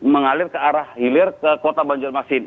mengalir ke arah hilir ke kota banjir masin